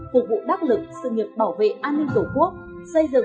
phục vụ đắc lực sự nghiệp bảo vệ an ninh tổ quốc xây dựng và phát triển đất nước